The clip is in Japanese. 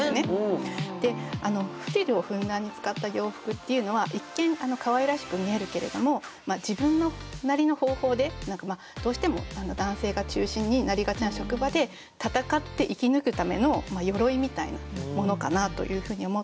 でフリルをふんだんに使った洋服っていうのは一見かわいらしく見えるけれども自分なりの方法でどうしても男性が中心になりがちな職場で戦って生き抜くためのよろいみたいなものかなというふうに思って。